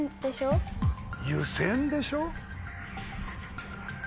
湯煎でしょ？